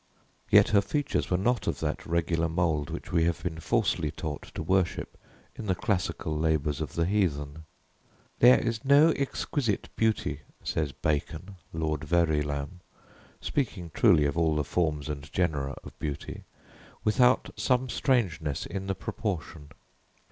Yet her features were not of that regular mold which we have been falsely taught to worship in the classical labors of the heathen. "There is no exquisite beauty," says Bacon, Lord Verulam, speaking truly of all the forms and genera of beauty, "without some strangeness in the proportion."